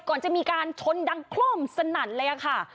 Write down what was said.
ก่อนจะมีการชนดังโครมสนั่นเลยค่ะ